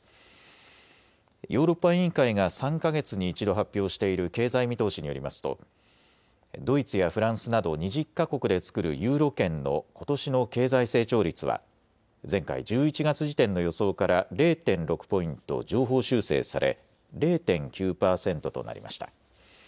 ヨーロッパ委員会が３か月に１度発表している経済見通しによりますとドイツやフランスなど２０か国で作るユーロ圏のことしの経済成長率は前回１１月時点の予想から０．６ポイント上方修正され０．９％となりました。